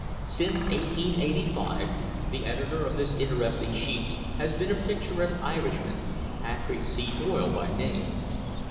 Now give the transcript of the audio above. Since 1885 the editor of this interesting sheet has been a picturesque Irishman, Patrick C. Boyle by name.